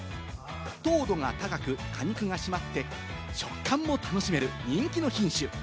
糖度が高く、果肉がしまって、食感も楽しめる人気の品種。